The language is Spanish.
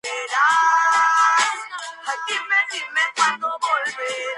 Más adelante lo casó con su hija María.